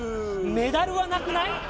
メダルはなくない？